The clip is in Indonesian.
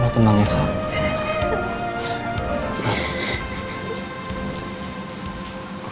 lo tenang ya sar